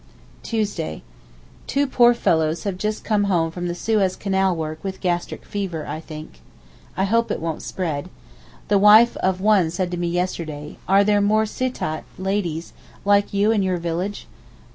Tuesday.—Two poor fellows have just come home from the Suez Canal work with gastric fever, I think. I hope it won't spread. The wife of one said to me yesterday, 'Are there more Sittat (ladies) like you in your village?